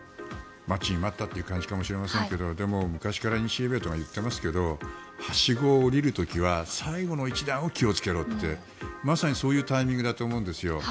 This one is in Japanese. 待ちに待ったという感じかもしれませんけどでも、昔から言いますけどはしごを下りる時は最後の一段を気をつけろってそういうタイミングだと思うんですよ。